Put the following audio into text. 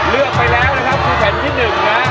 เลือกไปแล้วนะครับคือแผ่นที่๑นะ